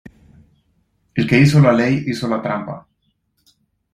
El que hizo la ley hizo la trampa.